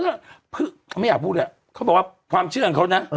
เขาไม่อยากพูดแหละเขาบอกว่าความเชื่อของเขานะ